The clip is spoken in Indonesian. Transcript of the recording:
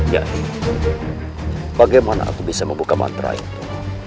jadi bagaimana aku bisa membuka mantra itu